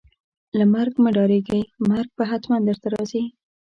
له مرګ مه ډاریږئ ، مرګ به ختمن درته راځي